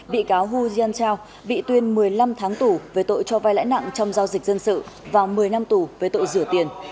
bị cáo hu jian chao bị tuyên một mươi năm tháng tù về tội cho vai lãi nặng trong giao dịch dân sự và một mươi năm tù về tội rửa tiền